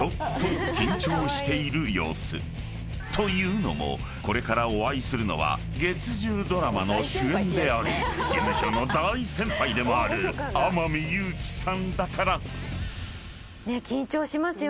［というのもこれからお会いするのは月１０ドラマの主演であり事務所の大先輩でもある天海祐希さんだから］